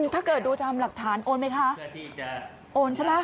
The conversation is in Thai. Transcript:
ถ้าเกิดดูทางหลักฐานโอนไหมคะ